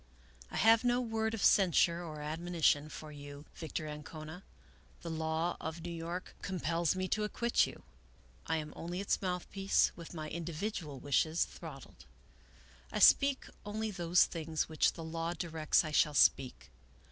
I have no word of censure or admonition for you, Victor Ancona. The law of New York compels me to acquit you. I am only its mouthpiece, with my individual wishes throttled. I speak only those things which the law directs I shall speak.